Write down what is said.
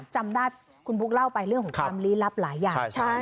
จำได้คุณบุ๊คเล่าไปเรื่องของความลี้ลับหลายอย่าง